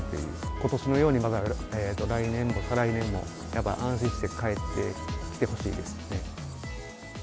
ことしのように、来年と再来年もやっぱり安心して帰ってきてほしいですね。